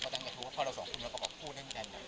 ก็ตั้งแต่ว่าพอเราสองคนมาประกอบผู้นั้นกัน